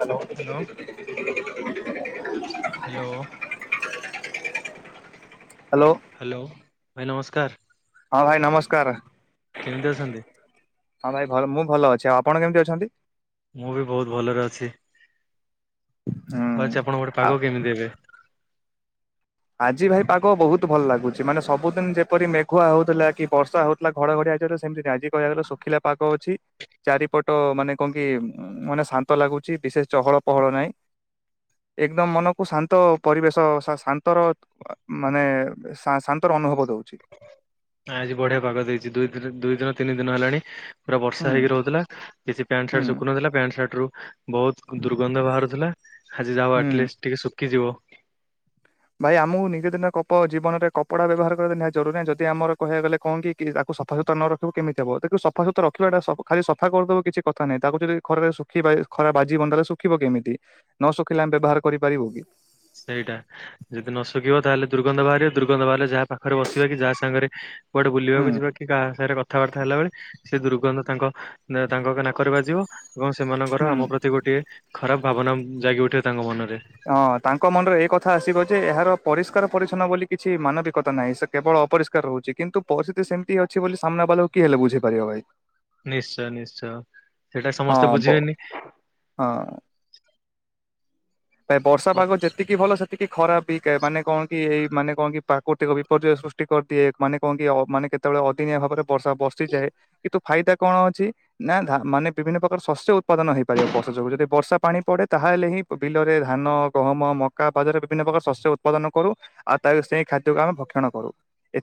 Hello. Hello. Hello. Hello hello ଭାଇ ନମସ୍କାର। ହଁ ଭାଇ ନମସ୍କାର। କେମିତି ଅଛନ୍ତି? ହଁ ଭାଇଲ ମୁଁ ଭଲ ଅଛି ଆଉ ଆପଣ କେମିତି ଅଛନ୍ତି। ମୁଁ ବି ବହୁତ ଭଲରେ ଅଛି। ହୁଁ ଆଉଛି ଆପଣ ଗୋଟେ ଆ ପାଗ କେମିତି ଏବେ ଆଜି ଭାଇ ପାଗ ବହୁତ ଭଲ ଲାଗୁଛି ମାନେ ସବୁଦିନ ଯେପରି ମେଘୁଆ ହଉଥିଲା କି ବର୍ଷା ହଉଥିଲା ଘଡଘଡିଆ ସେମିତି ଆ କହିବାକୁ ଗଲେ ଶୁଖିଲା ପାଗ ଅଛି ଚାରିପଟ ମାନେ କଣ କି ମାନେ ଶାନ୍ତ ଲାଗୁଚ ବିଶେଷ ଚହଳ ପହଳ ନାହିଁ। ଏକଦମ ମନକୁ ଶାନ୍ତ ପରିବେଶ ଶା ଶା ଶର ମାନେ ଶାନ୍ତର ଅନୁଭବ ଦଉଛି ଆଜି ବଢିଆ ପାଗ ଦେଇଛି ଦୁଇ ଦ ଦୁଇ ଦିନ ତିନି ଦିନ ହେଲାଣି। ପୁରା ବର୍ଷା ହୁଁ ହେଇି ରହୁଥିଲା କିଛି ପ୍ୟାଣ୍ଟ ହୁଁ ସାର୍ଟ ଶୁଖୁ ନଥିଲା ପ୍ୟାଣ୍ଟ ସାର୍ଟ ରୁ ବହୁତ ଦୁର୍ଗନ୍ଧ ବାହାରୁ ଥିଲା ଆଜି ଯାଉ ହୁଁ। ଆଟଲିଷ୍ଟ ଟିକେ ଶୁଖିଯିବ ଭାଇ ଆମକୁ ନିଜେ ଦିନ କପ ଜୀବନରେ କପଡା ବ୍ୟବହାର କରିବା ନିହାତି ଜରୁରୀ ଯଦି ଆମର କହିବାକୁ ଗଲେ କହଣ କି ତାକୁ। ସଫାସୁତୁରା ନ ରଖିବ କେମିତି ହେବ ଦେଖୁ ସଫାସତା ରଖିବା ଖାଲି ସଫା କରିଦେବ କିଛି କଥା ନାହିଁ ତାକୁ ଯଦି ଘରେ ଶୁଖିବା ଖରା ବାଜି ବନି ତାହାଲେ ଶୁଖିବ କେମିତି ନ ଶୁଖିଲେ ଆମେ ବ୍ୟବହାର କରିପାରିବୁ କି ସେଇଟା ଯଦି ନ ଶୁଖିବ ତାହେଲେ ଦୁର୍ଗନ୍ଧ ବାହାରିବେ ଦୁର୍ଗନ୍ଧ ବାହାରିଲେ ଯାହା ପାଖରେ ବସିବା କି ଯାହା ସାଙ୍ଗରେ କୁଆଡେ ବୁଲିବାକୁ ହୁଁ। ଯିବା କି କାହା ସାହିରେ କଥାବାର୍ତ୍ତା ହେଲାବେଳେ। ସେ ଦୁର୍ଗନ୍ଧ ତାଙ୍କ ତାଙ୍କ ନାକରେ ବାଜିବ ଏବଂ ସେମାନଙ୍କର ଆମ ପ୍ରତି ଗୋଟିଏ ଖରାପ ଭାବନାମ୍ ଜାଗି ଉଠିବ ତାଙ୍କ ମନରେ। ହଁ ତାଙ୍କ ମନରେ ଏ କଥା ଆସିବ ଯେ ଏହାର ପରିଷ୍କାର ପରିଚ୍ଛନ୍ନ ବୋଲି କିଛି ମାନବିକତା ନାହିଁ। ସେ କେବଳ ଅପରିଷ୍କାର ରହୁଛି କିନ୍ତୁ ପରି ଯଦି ସେମିତି ଅଛି ବୋଲି ସାମ୍ନା ବାଲାକୁ କିଏ ହେଲେ ବୁଝେଇପାରିବ ଭାଇ। ନିଶ୍ଚୟ ନିଶ୍ଚୟ ସେଟା ସମସ୍ତେ ହଁ ବ- ବୁଝିବେନି। ଏ ବର୍ଷା ଓ ପାଗ ଯେତିକି ଭଲ ସେତିକି କି ଖରାପ ଏଇକା ମାନେ କଣ କି ଏଇ ମାନେ କଣ କି ପ୍ରାୃତିକ ବିପର୍ଯ୍ୟୟ ସୃଷ୍ଟି କରିଦିଏ ମାନେ କଣ କି ଅ ମାନେ କେ ଯେତେବେଳେ ଅଦିନିଆ ଭାବରେ ବର୍ଷା ବର୍ଷିଯାଏ କିନ୍ତୁ ଫାଇଦା କଣ ଅଛି ନା ଧା ମାନେ ବିଭିନ୍ନ ପ୍ରକାର ଶସ୍ୟ ଉତ୍ପାଦନ ହେଇପାରିବ ବର୍ଷା ଯୋଗୁ। ଯଦି ବର୍ଷା ପାଣି ପଡେ ତାହେଲେ ହିଁ ବିଲରେ ଧାନ, ଗହମ, ମକା, ବାଜରା ବିଭିନ୍ନ ପ୍ରକାର ଶସ୍ୟ ଉତ୍ପାଦନ କରୁ। ଆଉ ତା ସେଇ ଖାଦ୍ୟକୁ ଆମେ ଭକ୍ଷଣ କରୁ।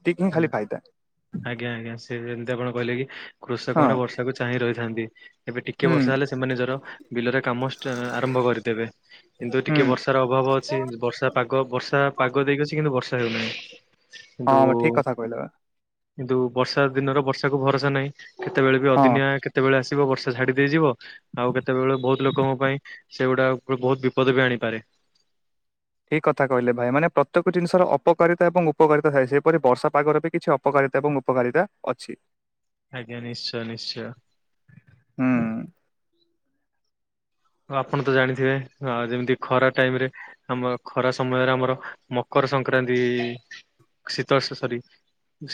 ଟିକନିକ ନା, ଖାଲି ଫାଇଦା। ଆଜ୍ଞା ଆଜ୍ଞା ସେ ଯେମିତି ଆପଣ କହିଲେ କି କୃଷକ ହଁ ମାନେ ବର୍ଷାକୁ ଚାହିଁ ରହିଥାନ୍ତି। ଏବେ ଟିକେ ହୁଁ ବର୍ଷା ତାହେଲେ ସେମାନେ ନିଜର ବିଲରେ କାମ ଷ୍ଟା ଆରମ୍ଭ କରିଦେବେ। କିନ୍ତୁ ହୁଁ ଟିକିଏ ବର୍ଷାର ଅଭାବ ଅଛି, ବର୍ଷା ପାଗ ବର୍ଷା ପାଗ ଦେଇକି ଅଛି କିନ୍ତୁ ବର୍ଷା ହେଉନାହିଁ କିନ୍ତୁ-ଉ-ଉ କହିଲାବା କିନ୍ତୁ ବର୍ଷା ଦିନର ବର୍ଷାକୁ ଭରସା ନାହିଁ। କେତେବେଳେ ବି ହଁ। ଅଦିନିଆ କେତେବେଳେ ଆସେ ଆସିବ ବର୍ଷା ଝାଡି ଦେଇଯିବ, ଆଉ କେତେବେଳ ବହୁତ ଲୋକଙ୍କ ପାଇଁ ସେଗୁଡା ପୁରା ବହୁତ ବିପଦ ବି ଆଣିପାରେ। [inaudible] ଠିକ କଥା କହିଲେ ଭାଇ ମାନେ। ପ୍ରତ୍ୟେକ ଜିନିଷର ଅପକାରିତା ଏବଂ ଉପକାରିତା ଥାଏ। ସେହିପରି ବର୍ଷା ପାଗରେ ବି କିଛି ଅପକାର ରିତା ଏବଂ ଉପକାରିତା ଅଛି। ଆଜ୍ଞା ନିଶ୍ଚୟ ନିଶ୍ଚୟ। ହୁଁ ଆପଣ ତ ଜାଣିଥିବେ ଆ ଯେମିତି ଖରା ଟାଇମରେ ଆମ ଖରା ସମୟରେ ଆମର ମକ ମକର ସଂକ୍ରାନ୍ତି-ଇ-ଇ-ଇ ଶୀତଳ ସ-ସ ସରି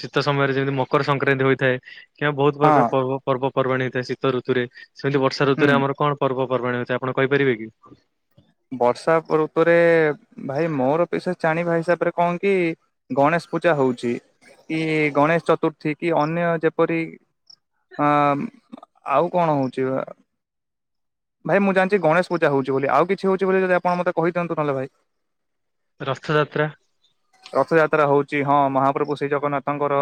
ଶୀତ ସମୟରେ ଯେମିତି ମକର ସଂକ୍ରାନ୍ତି ହୋଇଥାଏ। କିଆ ବହୁତ ହଁ ପ୍ରକାର ପର୍ବ ପର୍ବ ପର୍ବାଣି ହୋଇଥାଏ ଶୀତଋତୁରେ। ସେମିତି ହୁଁ ବର୍ଷାଋତୁରେ ଆମର କଣ ପର୍ବ ପର୍ବାଣି ଅଛି ଆପଣ କହିପାରିବେ କି? ବର୍ଷା ଋତୁରେ-ଏ-ଏ-ଏ ଭାଇ ମୋର ବିଶେଷ ଜାଣିବା ହିସାବରେ କଣ କି-ଇ-ଇ-ଇ ଗଣେଶ ପୂଜା ହଉଛି କି-ଇ-ଇ-ଇ ଗଣେଶ ଚତୁର୍ଥୀ କି ଅନ୍ୟ ଯେପରି ଅ-ଅ-ଅ-ଅମ୍ ଆଉ କଣ ହଉଛି ଆ-ଆ ଭାଇ ମୁଁ ଜାଣିଛି ଗଣେଶ ପୂଜା ହଉଛି ବୋଲି। ଆଉ କିଛି ହଉଛି ବୋଲି ଯଦି ଆପଣ ମତେ କହିଦିଅନ୍ତୁ ନହେଲେ ଭାଇ। ରଥଯାତ୍ରା। ଚି ହଁ ମହାପ୍ରଭୁ ଶ୍ରୀ ଜଗନ୍ନାଥଙ୍କର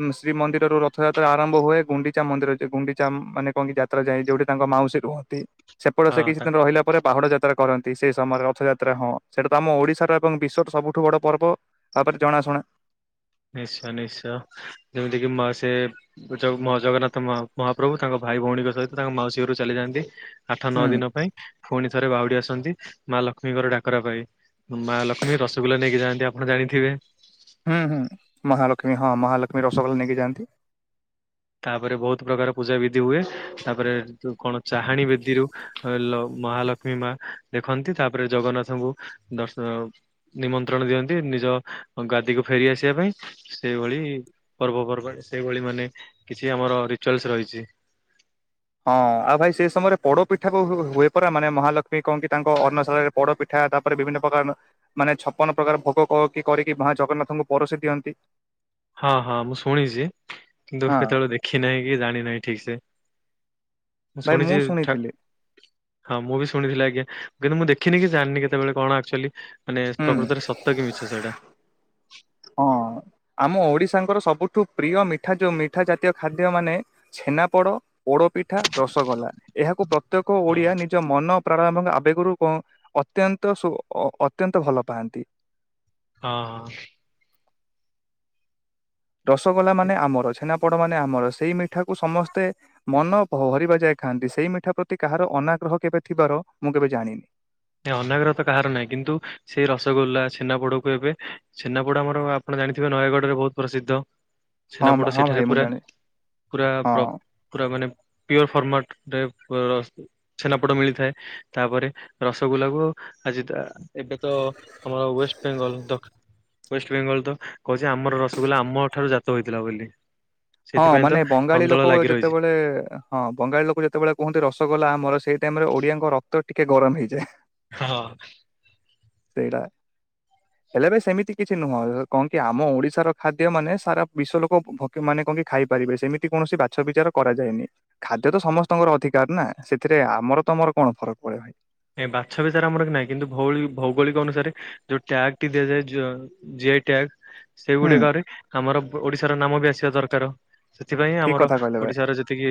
ଉମ୍ ଶ୍ରୀମନ୍ଦିରରୁ ରଥଯାତ୍ରା ଆରମ୍ଭ ହୁଏ ଗୁଣ୍ଡିଚା ମନ୍ଦିର ଯେ ଗୁଣ୍ଡିଚା ଆ-ଆମ୍-ମ୍ ମାନେ କଣ କି ଯାତ୍ରା ଯାଏ ଯୋଉଠି ତାଙ୍କ ମାଉ ଉସୀ ରୁହନ୍ତି, ସେପଟ ହଁ ସେ କିଛି ତା ଦିନ ରହିଲା ପରେ ବାହୁଡା଼ ଯାତ୍ରା କରନ୍ ନ୍ତି ସେହି ସମୟରେ ରଥଯାତ୍ରା ହଁ ସେଇଟା ତ ଆମ ଓଡ଼ିଶାର ଏବଂ ବିଶ୍ୱର ସବୁଠୁ ବଡ଼ ପର୍ବ ଭାବରେ ଜଣାଶୁଣା। ଁ ନିଶ୍ଚୟ ନିଶ୍ଚୟ ଯେମିତି କିି ମା ସେ-ଏ-ଏ ଯୋଉଁ ମ ଜଗନ୍ନାଥ ମହା ମହାପ୍ରଭୁ ତାଙ୍କ ଭାଇ ଭଉଣୀଙ୍କ ସହିତ ତାଙ୍କ ମାଉସୀ ଘରକୁ ଚାଲିଯାନ୍ତି ଆଠ ନଅ ହୁଁ ଦିନ ପାଇଁ। ପୁଣି ଥରେ ବାହୁଡି ଆସନ୍ତି ମା ଲକ୍ଷ୍ମୀଙ୍କର ଡାକରା ପାଇଁ। ମା ଲକ୍ଷ୍ମୀ ରସଗୋଲା ନେଇକି ଯାଆନ୍ତି ଆପଣ ଜାଣିଥିବେ। ହୁଁ ହୁଁ ମହାଲକ୍ଷ୍ମୀ ହଁ ମହାଲକ୍ଷ୍ମୀ ରସଗୋଲା ନେଇକି ଯାଆନ୍ତି। ତାପରେ ବହୁତ ପ୍ରକାର ପୂଜା ବିିଧି ହୁଏ। ତାପରେ-ଏ-ଏ ଏ କଣ ଚାହାଣୀ ବେଦୀରୁ ଅ-ଅ-ଅ ଲ ମହାଲକ୍ଷ୍ମୀ ମା ଦେଖନ୍ତି, ତାପରେ ଜଗନ୍ନାଥଙ୍କୁ ଦର୍ଶ ନିମନ୍ତ୍ରଣ ଦିଅନ୍ତି ନି ନିଜ ଗାଦିକୁ ଫେରି ଆସିବା ପାଇଁ, ସେଇଭଳି ପର୍ବପର୍ବାଣି ସେଇଭଳି ମାନେ କିଛି ଆମର ରିଚୁଆଲସ ରହିଛି। ହଁ ଆଉ ଭାଇ ସେ ସମୟରେ ପୋଡ ପିଠା ହୁ-ହୁ-ହୁ ହୁଏ ପରା ମାନେ ମହାଲକ୍ଷ୍ମୀ କଣ କି ତାଙ୍କ ଅନ୍ନଶାଳାରେ ପୋଡ ପିଠା ତାପରେ ବିଭିନ୍ନ ପ୍ରକାର ମାନେ ଛପନ ପ୍ରକାର ଭୋଗ କରିକି ମା ଜଗନ୍ନାଥଙ୍କୁ ପରଷ ଦିଅନ୍ତି। ହଁ ହଁ ମୁଁ ଶୁଣିଛି କିନ୍ତୁ ହଁ। କେତେବେଳେ ଦେଖି ନାହିଁ କି ଜାଣି ନାହିଁ ଠିକ ସେ। ଭାଇ ମୁଁ ଶୁଣିଛି ଶୁଣିଥିଲି ହଁ ମୁଁ ବି ଶୁଣିଥିଲି ଆଜ୍ଞା। କିନ୍ତୁ ମୁଁ ଦେଖିନି କି ଜାଣିନି କେତେବେଳେ କଣ ଆକ୍ଚୁଆଲି ମାନେ ହୁଁ ପ୍ରକୃତରେ ସତ କି ମିିଛ ସେଇଟା। ହଁ ଆମ ଓଡିଶାଙ୍କର ସବୁଠୁ ପ୍ରିୟ ମିଠା ଯୋଉ ମିଠା ଜାତୀୟ ଖାଦ୍ୟ ମାନେ ଛେନାପୋଡ଼ ପୋଡ଼ପିଠା ରସଗୋଲା ଏହାକୁ ପ୍ରତ୍ୟେକ ହଁ ଓଡ଼ିଆ ନିଜ ମନ ପ୍ରାଣୟ ଆବେଗରୁ ଅତ୍ୟନ୍ତ ଅତ୍ୟନ୍ତ ଭଲ ପାଆନ୍ତି। ହଁ ହ। ରସଗଲା ମାନେ ହଁ ଆମର ଛନା ଆପଣ ମାନେ ଆମର ସେଇ ମିଠା କୁ ସମସ୍ତେ ମନ ହରିବା ଯାଇ ଖାଆନ୍ତି ସେଇ ମିଠା ପ୍ରତି କାହାର ଅନା ଗ୍ରହ କେବେ ଥିବାର ମୁଁ କେବେ ଜାଣିନି। ଅନାଗ୍ରହ ତ କାହାର ନାହିଁ କିନ୍ତୁ ସେଇ ରସଗୋଲ୍ଲା ଛେନାପୋଡକୁ ଏବେ ଛେନାପୋଡ ଆମର ଆଣ ଜାଣିଥିବେ ନୟାଗଡ଼ ରେ ବହୁତ ପ୍ରସିଦ୍ଧ। ହଁ ଛେନାପଟ ହଁ ସେଠାରେ ଭାଇ ମୁଁ ପୁରା ଜାଣେ ପୁରା ହଁ। ପୁରା ମାନେ ପିଓର ଫର୍ମାଟ ରେ ଛେନାପୋଟ ମିଳିଥାଏ ତାପରେ ରସଗୋଲାକୁ ଆଜି ଏବେ ତ ଆମର ୱେଷ୍ଟବେେଙ୍ଗଲ ୱେଷ୍ଟବେେଙ୍ଗଲ ତ କହୁଛି ଆମର ରସଗୋଲା ଆମ ଠାରୁ ଜାତ ହେଇଥିଲା ବୋଲି। ହଁ ସେଥିପାଇଁ ତ ମାନେ ବଙ୍ଗାଳୀ କନ୍ଦଳ ଲୋକ ଲାଗି ରହିଛି। ଯେତେବେଳେ ହଁ ବଙ୍ଗାଳୀ ଲୋକ ଯେତେବେଳେ କୁହନ୍ତି ରସଗୋଲା ଆମର ସେଇ ଟାଇମ ରେ ଓଡିଆଙ୍କ ରକ୍ତ ଟିକେ ଗରମ ହେଇଯାଏ। ହଁ। ସେଇଟା ହେଲେ ବ ସେମିତି କିଛି ନୁହଁ କହଣ କି ଆମ ଓଡିଶାର ଖାଦ୍ୟ ମାନେ ସାରା ବିଶ୍ଵ ଲୋକ ଭ ମାନେ କହ କି ଖାଇପାରିବେ ସେମିତି କୌଣସି ବାଛ ବିଚାର କରାଯାନି ଖାଦ୍ୟ ତ ସମସ୍ତଙ୍କର ଅଧିକାର ନା ସେଥିରେ ଆମର ତମର କଣ ଫରକ ପଡେ ଭାଇ। ଏ ବାଛ ବିଚାର ଆମର ନାହିଁ କିନ୍ତୁ ଭୌଗୋଳିକ ଅନୁସାରେ ଯୋଉ ଟ୍ୟାଗ ଟି ଦିଆଯାଏ ସେଇ ଟ୍ୟାଗ ହୁଁ ସେଗୁଡିକରେ ଆମର ଓଡିଶାର ନାମ ବି ଆସିବା ଦରକାର। ସେଥିପାଇଁ ଠିକ ଆମର କଥା କହିଲେ ଭାଇ ଓଡିଶାର ଯେତିକି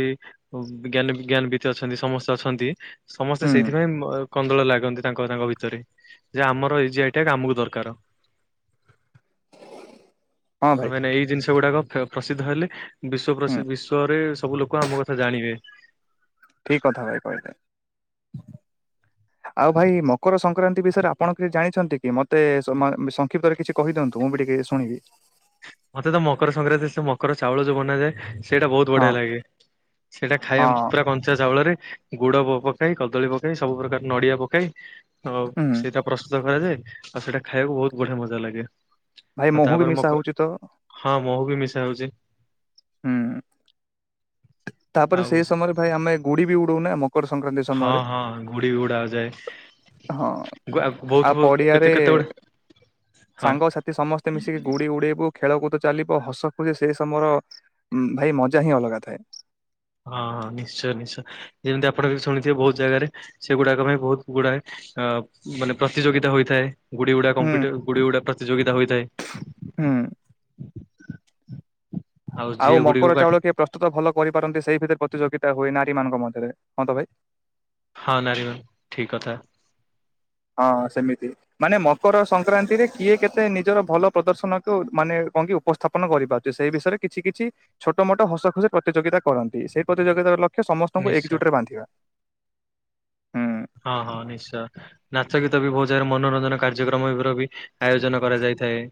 ଜ୍ାନ ଜ୍ଞାନ ଭିତ୍ ଅଛନ୍ତି ସମସ୍ତେ ଅଛନ୍ତି ସମସ୍ତେ ହୁଁ ସେଇଥିପାଇଁ କନ୍ଦଳ ଲାଗନ୍ତି ତାଙ୍କ ତାଙ୍କ ଭିତରେ ଯେ ଆମର ଏଇ ଯଆଟଆ ଆମକୁ ଦରକାର। ହଁ କଣ ଭାଇ ପାଇଁ ଏଇ ଜିନିଷ ଗୁଡାକ ପ୍ରସିଦ୍ଧ ହେଲେ ବିଶ୍ ହୁଁ ପ୍ରସିଦ୍ଧ ବିଶ୍ଵରେ ସବୁ ଲୋକ ଆମ କଥା ଜାଣିବେ। ଠିକ କଥା ଭାଇ କହିଲେ। ଆଉ ଭାଇ ମକର ସଂକ୍ରାନ୍ତି ବିଷୟରେ ଆପଣ କିଛି ଜାଣିଛନ୍ତି କି ମତେ ସଂକ୍ଷିପ୍ତରେ କିଛି କହିଦିଅନ୍ତୁ। ଟିକ ଶୁଣିବି। ମତେ ତ ମକର ସଂକ୍ରାନ୍ତି ସେ ମକର ଚାଉଳ ଯୋଉ ବନାଯାଏ ସେଇଟା ବହୁତ ହଁ ବଢ଼ିଆ ଲାଗେ ସେଇଟା ହଁ ଖାଏ ପୁରା କଞ୍ଚା ଚାଉଳରେ ଗୁଡ ପକାଇ କଦଳୀ ପକେଇ ସବୁ ପ୍ରକାର ନଡିଆ ପକାଇ ଆଉ ହୁଁ ସେଇଟା ପ୍ରସ୍ତୁତ କରାଯାଏ। ଆଉ ସେଇଟା ଖାଇବାକୁ ବହୁତ ବଢିଆ ମଜା ଲାଗେ। ଭାଇ ଆଉ ମହୁ ବି ତାପରେ ମିଶା ମକର ହଉଛି ତ। ହଁ ମହୁ ବି ମିଶା ହାଉଛି। ହୁଁ। ତାପରେ ଆଉ ସେଇ ସେ- ସମୟରେ ଭାଇ ଆମେ ଗୁଡି ବି ଉଡାଉନା ମକର ସଂକ୍ରାନ୍ତି ହଁ ସମୟରେ? ହଁ ଗୁଡି ଗୁଡା ଯାଏ ହଁ ଗୁ- ବହୁତ ଆଉ ବହୁ- କେତେ ପଡିଆରେ କେତେ ଗୁଡେ ହଁ ସାଙ୍ଗସଥି ସମସ୍ତେ ମିଶିକି ଗୁଡେଇ ଉଡେଇବୁ ଖେଳକୁଦ ଚାଲିବ ହସ ଖୁସି ସେଇ ସମୟର ଭାଇ ମଜା ହିଁ ଅଲଗା ଥାଏ। ହଁ ହଁ ନିଶ୍ଚୟ ନିଶ୍ଚୟ ଯେମିତି ଆପଣ ବି ଶୁଣିଥିବେ ବହୁତ ଜାଗାରେ ସେଗୁଡାକ ପାଇଁ ବହୁତ ଗୁଡାଏ ଅ ମାନେ ପ୍ରତିଯୋଗିତା ହୋଇଥାଏ ଗୁଡି ଉୁଡା ହୁଁ କମ୍ି ଗୁଡି ଉୁଡା ପ୍ରତିଯୋଗିତା ହୋଇଥାଏ। ହୁଁ। ଯିଏ ଆଉ ଗୁଡିକୁ ମକର କା ଚାଉଳ କିଏ ପ୍ରସ୍ତୁତ ଭଲ କରି ନ୍ତି ସେଇ ଭିତରେ ପ୍ରତିଯୋଗିତା ହୁଏ ନାରୀ ମାନଙ୍କ ମଧ୍ୟରେ, ହଁ ତ ଭାଇ ହଁ ନାରୀ ମ ଠିକ କଥା। ହଁ ସେମିତି, ମାନେ ମକର ସଂକ୍ରାନ୍ତିରେ କିଏ କେତେ ନିଜର ଭଲ ପ୍ରଦର୍ଶନକୁ ମାନେ ଙ୍କି [unintelligible] ଉପସ୍ଥାପନ କରିପାରୁଛି, ସେଇ ବିଷୟରେ କିଛି କିଛି ଛୋଟ ମୋଟ ହସ ଖୁସି ପ୍ରତିଯୋଗିତା କରନ୍ତି। ସେଇ ପ୍ରତିଯୋଗିତାର ଲକ୍ଷ ସେ ସମସ୍ତଙ୍କୁ ନିଶ୍ଚୟ ଏକଜୁଟ ରେ ବାନ୍ଧିବା। ହୁଁ ହଁ ହଁ ନିଶ୍ଚୟ ନାଚ ଗୀତ ବି ବହୁତ ଜାଗାରେ, ମନୋରଞ୍ଜନ କାର୍ଯ୍ୟକ୍ରମ ର ବି ଆୟୋଜନ କରାଯାଇ ଥାଏ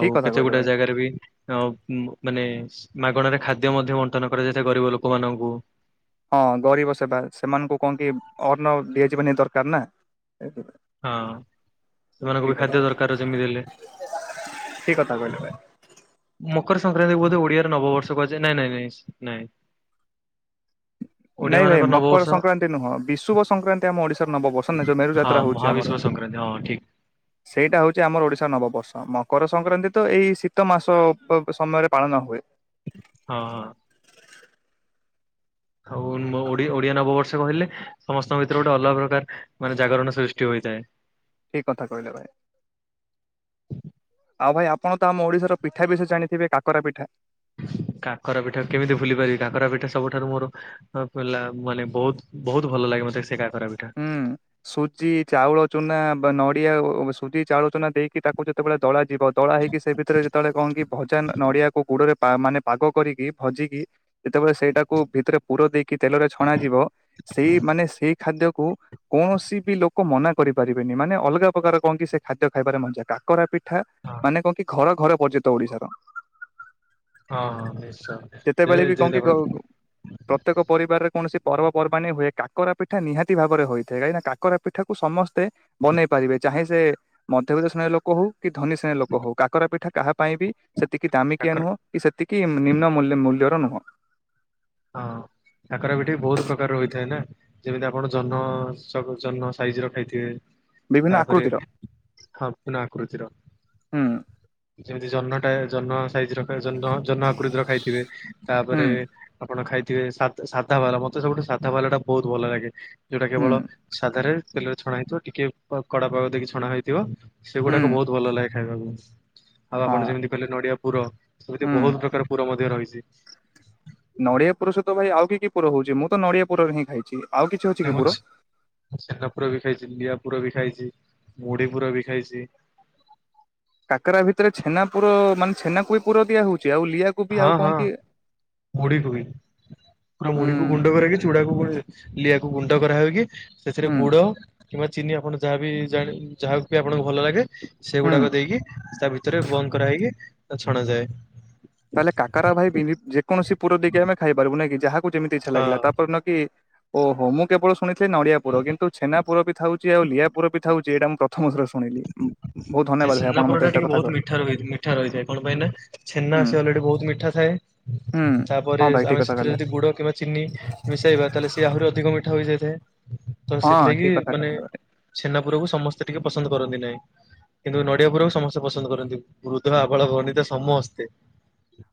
ଆଉ କଥା କେତେ କହିଲ ଗୁଟେ ଭାଇ ଜାଗାରେ ବି ଆ ମାନେ ମାଗଣାରେ ଖାଦ୍ୟ ମଧ୍ୟ ବଣ୍ଟନ କରାଯାଇଥାଏ ଗରିବ ଲୋକମାନଙ୍କୁ ହଁ ଗରିବ ସେବା ସେମାନଙ୍କୁ କଣ କି ଅନ୍ନ ଦିଆଯିବାନି ଦରକାର ନା। ଠିକ ହଁ ସେମାନଙ୍କୁ ବି ଖାଦ୍ୟ ଦରକାର ଯେମିତି ହେଲେ କି [unintelligible] କଥା କହିଲ ଭାଇ। ମକର ସଂକ୍ରାନ୍ତି ବୋଧ ଓଡିଆରେ ନବବର୍ଷ କୁହାଯାଏ ନାଇଁ ନାଇଁ ନ ନଁ ନାଇଁ, ଭାଇ ମକର ସଂକ୍ରାନ୍ତି ନୁହଁ, ବିଶୁଭ ସଂକ୍ରାନ୍ତି ଆମ ଓଡିଶାରେ ନବ ବର୍ଷ, ଯୋଉ ମେରୁ ହଁ ଯାତ୍ରା ହଉଛି ମହାବିଶ୍ଵ ଆମର ସଂକ୍ରାନ୍ତି ହଁ ଠିକ। ସେଇଟା ହଉଛି ଯେ ଆମର ଓଡିଶାର ନବବର୍ଷ ମକର ସଂକ୍ରାନ୍ତି ତ ଏଇ ଶୀତ ମାସ ସମୟରେ ପାଳନ ହୁଏ। ହଁ ହଉ ଓଡିଆ ନବ [unintelligible] କହିଲେ ସମସ୍ତଙ୍କ ଭିତରେ ଗୋଟେ ଅଲଗା ପ୍ରକାର ମାନେ ଜାଗରଣ ସୃଷ୍ଟି ହୋଇଥାଏ। ଠିକ କଥା କହିଲେ ଭାଇ ଆଉ ଭାଇ ଆପଣ ତ ଆମ ଓଡ଼ିଶାର ପିଠା ବିଷୟରେ ଜାଣିଥିବେ -କାକରା ପିଠା। ହ [inaudible] କାକରା ପିଠା କେମିତି ଭୁଲି ପାରିବି, କାକରା ପିଠା ସବୁଠାରୁ ମୋର ମାନେ, ବହୁତ ବହୁତ ଭଲ ଲାଗ ତେ ସେ [unintelligible] ହୁଁ ସୁଜି, ଚାଉଳ ଚୁନା ବା ନଡ଼ିଆ ସୁଜି ଚାଉଳ ଚୂନା ଦେଇକି ତାକୁ ଯେତେବେଳେ ଦଳାଯିବ, ଦଳା ହେଇକି ସେ ଭିତରେ ଯେତେବେଳେ କଣ କି ଭଜା ନଡିଆକୁ ଗୁଡରେ ମାନେ ପାଗ କରିକି, ଭାଜିକି, ଯେତେବେଳେ ସେଇଟାକୁ ଭିତରେ ପୁର ଦେଇକି କି ତେଲରେ ଛଣା ଯିବ ସେଇ ମାନେ ସେଇ ଖାଦ୍ୟ କୌଣସି ବି ଲୋକ ମନା କରିପାରିବେନି, ମାନେ ଅଲଗା ପ୍ରକାର କଣ କି ସେ ଖାଦ୍ୟ ଖାଇବାରେ ମଜା କାକରା ପିଠା ଏ ହଁ ମାନେ କହ କି ଘର ଘର ପର୍ଯ୍ୟନ୍ତ ଓଡିଶାର ହଁ ହଁ [unintelligible] ନିଶ୍ଚୟ ଯେ ଯେତେବେଳେ ବି କଣ ଯେମିତି କି ଆପଣ -ପ୍ରତ୍ୟେକ ପରିବାରରେ କୌଣସି ପର୍ବପର୍ବାଣି ହୁଏ, କାକର ପିଠା ନିହାତି ଭାବରେ ହୋଇଥାଏ କାହିଁକି ନା କାକରା ପିଠା କୁ ସମସ୍ତେ ବନେଇ ପାରିବେ, ଚାହେଁ ସେ ମଧ୍ୟବିତ୍ତ ଶ୍ରେଣୀ ର ଲୋକ ହଉ କି ଧନୀ ଶ୍ରେଣୀର ଲୋକ ହଉ, କାକର ପିଠା କାହା ପାଇଁ ବି ସେତିକି ଦାମିକିଆ କାକର ନୁହଁ କି ସେତିକି ନିମ୍ନ ମୂଲ୍ୟ ମୂଲ୍ୟର ନୁହଁ। ହଁ କାକରା ପିଠା ବି ବହୁତ ପ୍ରକାର ରହିଥାଏ ନା, ଯେମିତି ଆପଣ ଜନ ଜନ ସାଇଜ ର ଖାଇଥିବେ ବିଭିନ୍ନ ତାପରେ ଆକୃତିର ସମ୍ପନ [unintelligible] ଆକୃତିର ହୁଁ ଯେମିତି ଜହନ ଜହ୍ନ ସାଇଜ ର, ଜହ୍ନ ଆକୃତି ର ଖାଇଥିବେ ହୁଁ ତାପରେ ଆପଣ ଖାଇଥିବେ ସାଧା, ସାଧା ବାଲା, ମତେ ସବୁଠୁ ସାଧା ବାଲା ଟା ବହୁତ ଭଲ ଲାଗେ। ଯୋଉଟା ହୁଁ ହୁଁ କେବଳ ସାଧାରେ ତେଲରେ ଛଣା ହେଇଥିବ ଟିକେ କଡା ପାଗ ଦେଇକି ଛଣା ହେଇଥିବ। ସେଗୁଡାକ ବହୁତ ଭଲ ଲାଗେ ଖାଇବାକୁ ଆଉ ଆପଣ ହଁ ଯେମିତି କହିଲେ ନଡିଆ ପୁର ଏମିତି ହୁଁ ବହୁତ ପ୍ରକାର ପୁର ମଧ୍ୟ ରହିଛି। ନଡିଆ ପୁର ସହିତ ଭାଇ ଆଉ କି ପୁର ହଉଛି, ମୁଁ ତ ନଡିଆ ପୁରରେ ହିଁ ଖାଇଛି। ଆଉ କିଛି ଅଛି କି ମୁଁ ପୁର ଛେନା ପୁର ବି ଖାଇଛି, ନଡ଼ିଆ ପୁର ବି ଖାଇଛି ମୁଢି ପୁର ବି ଖାଇଛି। କାକରା ଭିତରେ ଛେନା ପୁର ମାନେ, ଛେନାକୁ ବି ପୁର ଦିଆ ହଉଛି ଆଉ ଲିଆକୁ ବି ଆଉ କଣ କି ମୁଢ଼ି କୁ ବି, ପୁରା ହୁଁ ମୁଢ଼ି କୁ ଗୁଣ୍ଡ କରି କି, ଚୁଡାକୁ ଗୁଣ୍ଡ ଲିଆକୁ ଗୁଣ୍ଡ କରାହଉକି, ସେଥିରେ ହୁଁ ଗୁଡ କିମ୍ବା ଚିନି ଆପଣ ଯାହାବି ବି ଜା ଯାହା ବି ଆପଣଙ୍କୁ ଭଲ ଲାଗେ ହୁଁ ସେଗୁଡାକ ଦେଇକି ତା ଭିତରେ ବନ୍ଦ କରାହେଇକି ଛଣା ଯାଏ। ତାହେଲେ କାକରା ଭାଇ ଯେକୌଣ ପୁର ଦେଇକି ଆମେ ଖାଇପାରିବୁ ନେଇ କି? ଗୋଟେ ମିନିଟ ଇଚ୍ଛା ହଁ ଲାଗିଲା। ତାପର ଦିନ କି- ଓହୋ ମୁଁ କେବଳ ଶୁଣିଥିଲି ନଡିଆପୁର କିନ୍ତୁ ଛେନାପୁର ବି ଥାଉଛି ଆଉ ଲିଆପୁର ଥାଉଛି ଏଇଟା ମୁଁ ପ୍ର- ସେ ଛେନା ଆପଣ ମତେ ପୋଡଟା ଏତେ ଟିକେ କଥା ବହୁତ ମିଠା ରହି ମିଠା ରହିଥାଏ କଣ ପାଇଁ ନା ଛେନା- ହୁଁ ସେ ଅଲରେଡି ବହୁତ ମିଠା ଥାଏ ହୁଁ ହଁ ତାପରେ ଭାଇ ଠିକ ଆମେ କଥା ସେଥିରେ କହିଲେ ଯଦି ଗୁଡ଼ କିମ୍ବା ଚିନି ମିଶାଇବା ତାହେଲେ- ସିଏ ଆହୁରି ଅଧିକ ମିଠା ହୋଇଯାଇଥାଏ ତ ହଁ ସେଥିଲାଗି ଠିକ କଥା ମାନେ କଥା ଛେନାପୁରକୁ ସମସ୍ତେ ଟିକେ ପସନ୍ଦ କରନ୍ତି ନାହିଁ। କିନ୍ତୁ ନଡିଆ ପୁରକୁ ସମସ୍ତେ ପସନ୍ଦ କରନ୍ତି ବୃଦ୍ଧ ଆବାଳ ବନୀତା ସମସ୍ତେ।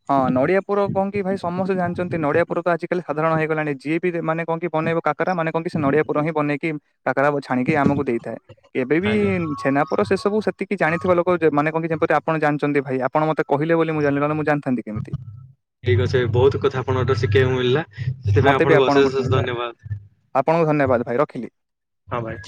ହଁ ନଡିଆ ପୁର କଣ କି ଭାଇ ସମସ୍ତେ ଜାଣିଛନ୍ତି ନଡିଆ ପୁର ତ ଆଜିକାଲି ସାଧରଣ ହେଇଗଲାଣି ଯିଏ ବି ମାନେ କଣ କି ବନେଇବ କାକରାମାନେ କହନ୍ତି ସେ ନଡିଆ ପୁର ହିଁ ବନେଇି କାକରା ଛାଣିକି ଆମକୁ ଦେଇଥାଏ ଏବେ ବି ଆଜ୍ଞା। ଛେନାପୁର ସେ ସବୁ ସେତିକି ଜାଣିଥିବା ଲୋକ ମାନ କହନ୍ତି ଯେମିତି ଆପଣ ଜାଣିଛନ୍ତି ଭାଇ ଆପଣ ମୋତେ କହିଲେ ବୋଲି ମୁଁ ଜାଣିଲି ନହେଲେ ମୁଁ ଜାଣି ଥା ଠିକ ଅଛି ବହୁତ କଥା ଆପଣଙ୍କଠୁ ଶିଖିବାକୁ ମିଳିଲା। ସେଥିପାଇଁ ମତେ ବି ଆପଣଙ୍କୁ ଅଶେଷ ଆପଣଙ୍କଠୁ ଅଶେଷ ମିଳିଲା ଧନ୍ୟବାଦ। ଆପଣଙ୍କୁ ଧନ୍ୟବାଦ ଭାଇ ରଖିଲି। ହଁ ଭାଇ।